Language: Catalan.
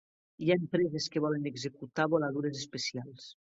Hi ha empreses que volen executar voladures especials.